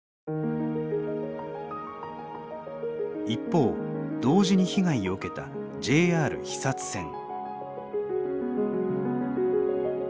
一方同時に被害を受けたＪＲ肥線。